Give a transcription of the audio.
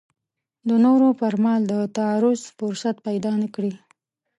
د نورو پر مال د تعرض فرصت پیدا نه کړي.